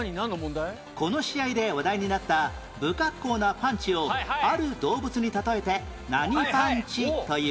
この試合で話題になった不格好なパンチをある動物に例えて何パンチという？